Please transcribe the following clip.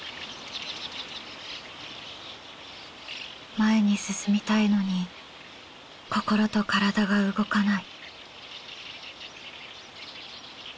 前に進みたいのに心と体が動かない。